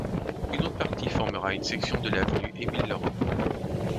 Une autre partie formera une section de l'avenue Émile-Laurent.